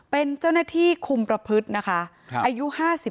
เป็นเจ้าหน้าที่คุมประพฤตินะคะอายุ๕๓